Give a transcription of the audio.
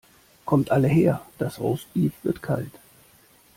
Kommt alle her das Roastbeef wird kalt.